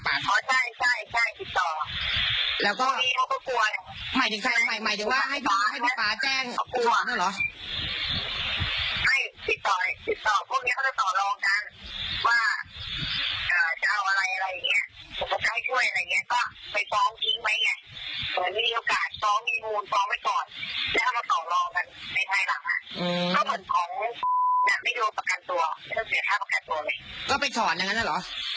อ่าแล้วของพี่คะที่ตอบมาหามาหาป่ายนี่คือเริ่มที่ฟ้าเหรอ